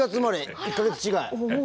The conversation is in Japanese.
１か月違い。